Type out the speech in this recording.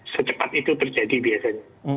secepat itu terjadi biasanya